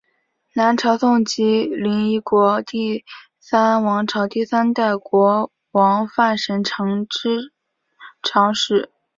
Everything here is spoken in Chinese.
南朝宋及林邑国第三王朝第三代国王范神成之长史。